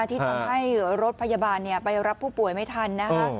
ที่ทำให้รถพยาบาลไปรับผู้ป่วยไม่ทันนะคะ